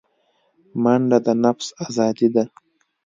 منډه د نفس آزادي ده